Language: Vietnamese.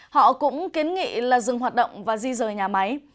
họ cũng kiến nghị là dừng hoạt động và di rời nhà máy